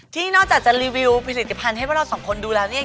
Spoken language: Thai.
ที่นอกจากจะรีวิวผลิตภัณฑ์ให้พวกเราสองคนดูแล้วเนี่ย